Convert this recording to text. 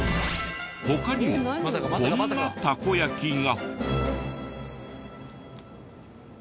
他にもこんなたこ焼きが。